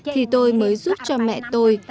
thì tôi mới giúp cho mẹ tôi